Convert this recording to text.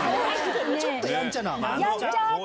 ちょっとやんちゃな。